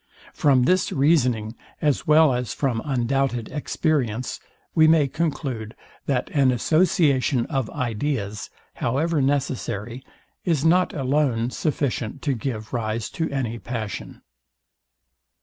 From this reasoning, as well as from undoubted experience, we may conclude, that an association of ideas, however necessary, is not alone sufficient to give rise to any passion.